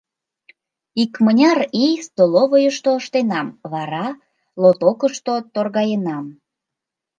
Икмыняр ий столовойышто ыштенам, вара лотокышто торгаенам.